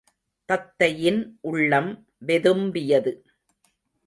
தத்தையின் உள்ளம் வெதும்பியது!